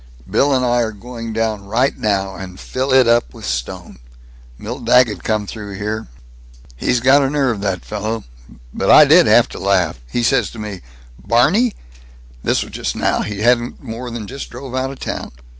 Bill and I are going down right now and fill it up with stone. Milt Daggett come through here he's got a nerve, that fellow, but I did have to laugh he says to me, 'Barney ' This was just now. He hasn't more than just drove out of town.